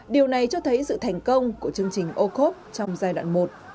điều này cho thấy sự thành công của chương trình ô khốp trong giai đoạn một